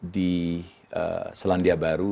di selandia baru